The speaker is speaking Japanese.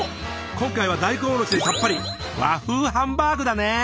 今回は大根おろしでサッパリ和風ハンバーグだね？